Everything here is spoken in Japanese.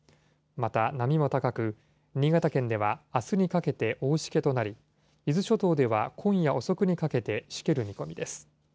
また波も高く、新潟県ではあすにかけて大しけとなり、伊豆諸島では今夜遅くにかけてしける見込みです。